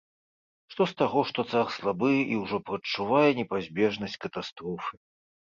Што з таго, што цар слабы і ўжо прадчувае непазбежнасць катастрофы?